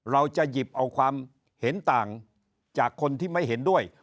เราจะหยิบเอาความเห็นต่างจากคนที่ไม่เห็นด้วย